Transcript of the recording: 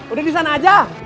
udah disana aja